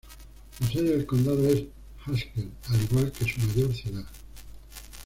La sede del condado es Haskell, al igual que su mayor ciudad.